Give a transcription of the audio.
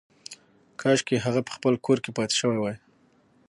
کاشکې هغه په خپل کور کې پاتې شوې وای